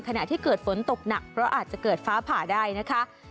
ขณะที่เกิดฝนตกหนักเพราะอาจจะเกิดฟ้าผ่าได้นะคะ